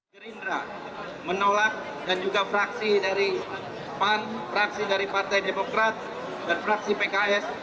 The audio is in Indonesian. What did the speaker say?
gerindra menolak dan juga fraksi dari pan fraksi dari partai demokrat dan fraksi pks